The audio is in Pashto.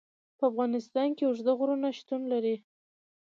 په افغانستان کې اوږده غرونه شتون لري.